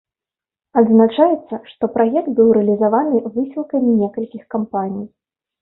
Адзначаецца, што праект быў рэалізаваны высілкамі некалькіх кампаній.